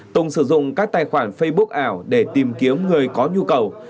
tùng sử dụng các tài khoản facebook ảo để tìm kiếm người có nhu cầu